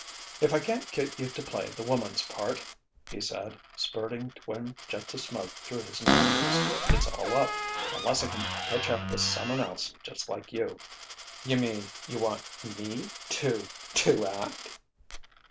"If I can't get you to play the woman's part," he said, spurting twin jets of smoke through his nostrils, "it's all up unless I can hitch up with summonelse just like you." "You mean you want me to to act